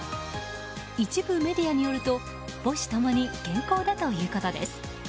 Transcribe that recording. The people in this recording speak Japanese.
一部メディアによると母子共に健康だということです。